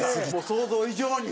想像以上に？